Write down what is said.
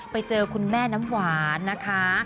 ไปเจอคุณแม่น้ำหวานนะคะ